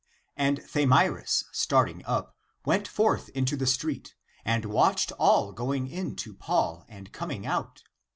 And Thamyris, starting up, went forth into the street, and watched all going in to Paul and coming out.